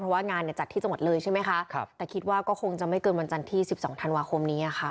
คงจะไม่เกินวันจันทร์ที่๑๒ธันวาคมนี้ค่ะ